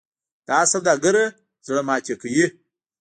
دا سوداګر زړه ماتې کوي.